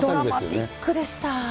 ドラマティックでした。